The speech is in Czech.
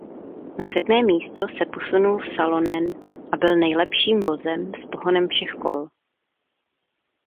Na sedmé místo se posunul Salonen a byl nejlepším vozem s pohonem všech kol.